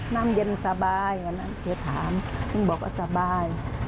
นั่งเย็นสบายเขียนถามต้องบอกว่าสบาย